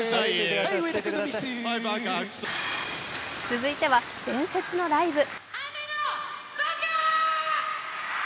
続いては伝説のライブ。